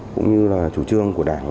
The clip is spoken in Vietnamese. cũng như là chủ trương của đảng và